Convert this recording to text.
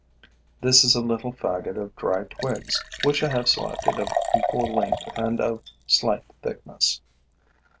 This is a little faggot of dry twigs, which I have selected of equal length and of slight thickness.